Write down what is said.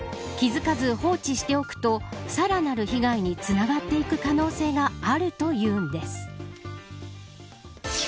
気付かず放置しておくとさらなる被害につながっていく可能性があるというんです。